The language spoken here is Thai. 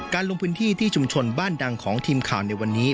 ลงพื้นที่ที่ชุมชนบ้านดังของทีมข่าวในวันนี้